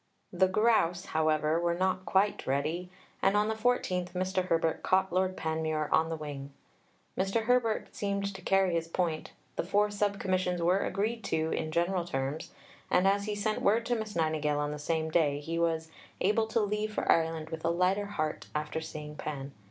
The grouse, however, were not quite ready, and on the 14th Mr. Herbert caught Lord Panmure on the wing. Mr. Herbert seemed to carry his point, the four Sub Commissions were agreed to in general terms, and, as he sent word to Miss Nightingale on the same day, he was "able to leave for Ireland with a lighter heart after seeing Pan.